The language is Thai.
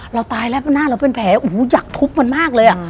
เราตายแล้วหน้าเราเป็นแผลโอ้โหอยากทุบมันมากเลยอ่ะ